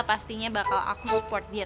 pastinya bakal aku support dia ternyata